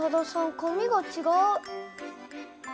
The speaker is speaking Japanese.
紙がちがう。